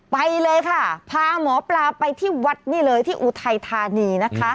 ไปเลยค่ะพาหมอปลาไปที่วัดนี่เลยที่อุทัยธานีนะคะ